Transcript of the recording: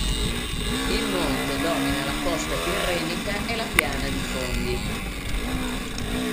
Il monte domina la costa tirrenica e la piana di Fondi.